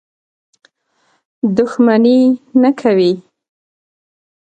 دښمني نه کوي.